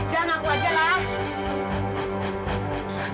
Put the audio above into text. dan aku aja lah